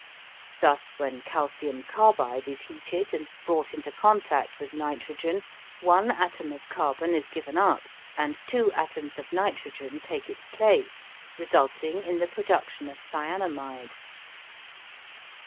Thus when calcium carbide is heated and brought into contact with nitrogen one atom of carbon is given up and two atoms of nitrogen take its place, resulting in the production of cyanamide.